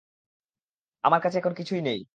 আমার কাছে এখন কিছুই নেই।